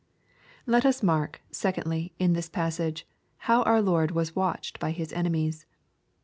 Let us mark, secondly, in this passage, how our Lord was watched by His enemies.